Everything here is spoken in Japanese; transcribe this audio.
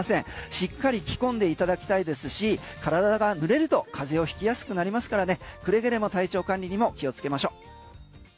しっかり着込んでいただきたいですし体が濡れると風邪をひきやすくなりますからくれぐれも体調管理にも気をつけましょう。